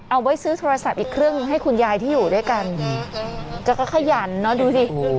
เอาไว้ซื้อโทรศัพท์อีกเครื่องให้คุณยายที่อยู่ด้วยกันแกก็ขยันเนอะดูสิ